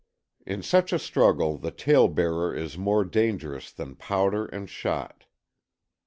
In such a struggle the tale bearer is more dangerous than powder and shot.